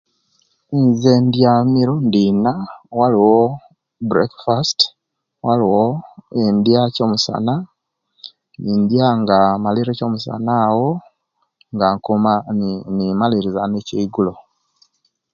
nze ndya emirundi Ina. bwaliwo brekfast, bwaliwo nindya ekyomusana, nindya nga malire ekyomusana, awo nga nkuma ni nimalilirya ne'ekyeigulo.